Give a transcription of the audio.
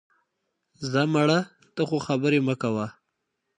ځه مړه، ته خو خبرې مه کوه